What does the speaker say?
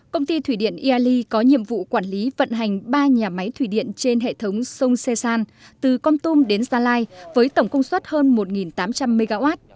công ty thủy điện iali có nhiệm vụ quản lý vận hành ba nhà máy thủy điện trên hệ thống sông sê san từ con tum đến gia lai với tổng công suất hơn một tám trăm linh mw